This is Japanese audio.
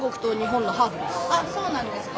あっそうなんですか。